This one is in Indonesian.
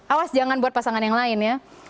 awas jangan buat pasangan yang lain ya